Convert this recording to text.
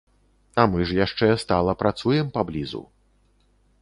А мы ж яшчэ стала працуем паблізу.